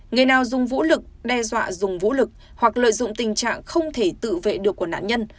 người nào dùng vũ lực đe dọa dùng vũ lực hoặc lợi dụng tình trạng không thể tự vệ được của nạn nhân